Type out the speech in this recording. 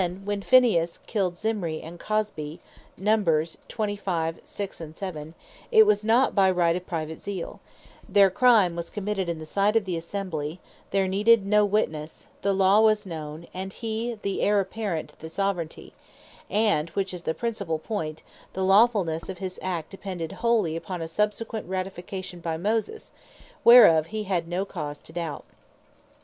when Phinehas killed Zimri and Cosbi, it was not by right of Private Zeale: Their Crime was committed in the sight of the Assembly; there needed no Witnesse; the Law was known, and he the heir apparent to the Soveraignty; and which is the principall point, the Lawfulnesse of his Act depended wholly upon a subsequent Ratification by Moses, whereof he had no cause to doubt.